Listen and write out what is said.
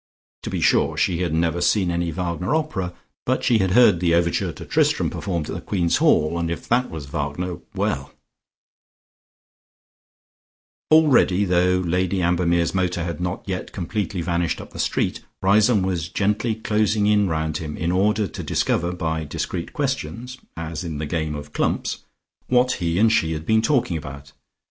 To be sure she had never seen any Wagner opera, but she had heard the overture to Tristram performed at the Queen's Hall, and if that was Wagner, well Already, though Lady Ambermere's motor had not yet completely vanished up the street, Riseholme was gently closing in round him, in order to discover by discreet questions (as in the game of Clumps) what he and she had been talking about.